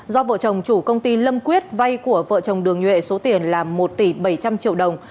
do vợ chồng chủ công ty lâm quyết vay của vợ chồng đường nhuệ số tiền là một tỷ bảy trăm linh triệu đồng